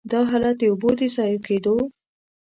دا حالت د اوبو د ضایع کېدو.